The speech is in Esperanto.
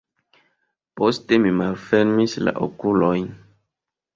Poste mi malfermis la okulojn.